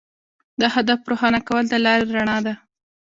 د هدف روښانه کول د لارې رڼا ده.